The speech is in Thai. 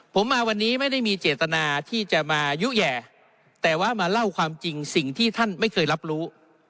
ผมมาวันนี้ไม่ได้มีเจตนาที่จะมายุแห่แต่ว่ามาเล่าความจริงสิ่งที่ท่านไม่เคยรับรู้